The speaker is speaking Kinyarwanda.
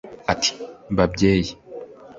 Ati "Babyeyi